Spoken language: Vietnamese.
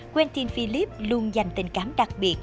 quentin philip luôn dành tình cảm đặc biệt